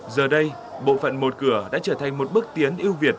giờ đây bộ phận một cửa đã trở thành một bước tiến ưu việt